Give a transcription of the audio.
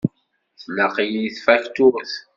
Tlaq-iyi tfakturt.